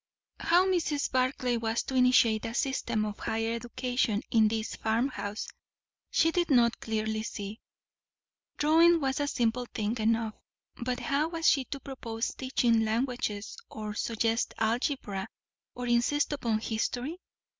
How Mrs. Barclay was to initiate a system of higher education in this farmhouse, she did not clearly see. Drawing was a simple thing enough; but how was she to propose teaching languages, or suggest algebra, or insist upon history?